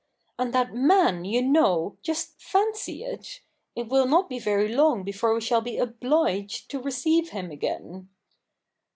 And that man, you know — just fancy it !— it will not be very long before we shall be obliged to receive him again.